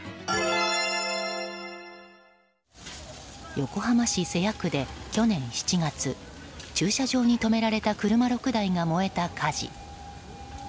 横浜市瀬谷区で去年７月駐車場に止められた車６台が燃えた火事。